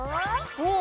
おお！